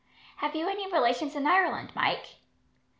"Have you any relations in Ireland, Mike?"